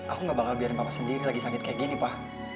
aku gak bakal biarin bapak sendiri lagi sakit kayak gini pak